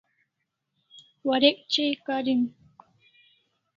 Warek chai karin